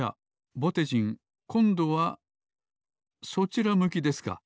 ぼてじんこんどはそちら向きですか。